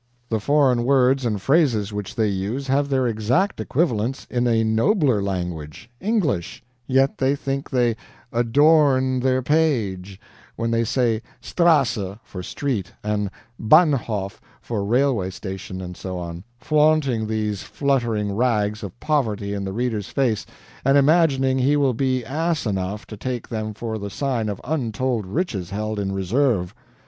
The foreign words and phrases which they use have their exact equivalents in a nobler language English; yet they think they 'adorn their page' when they say STRASSE for street, and BAHNHOF for railway station, and so on flaunting these fluttering rags of poverty in the reader's face and imagining he will be ass enough to take them for the sign of untold riches held in reserve.